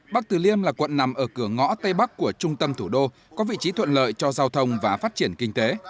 bắc từ liêm là quận nằm ở cửa ngõ tây bắc của trung tâm thủ đô có vị trí thuận lợi cho giao thông và phát triển kinh tế